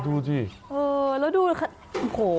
ดูสิเออแล้วดูโอ้โห